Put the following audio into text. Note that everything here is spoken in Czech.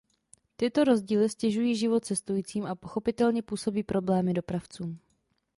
Tyto rozdíly ztěžují život cestujícím a pochopitelně působí problémy dopravcům.